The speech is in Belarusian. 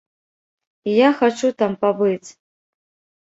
І я хачу там пабыць.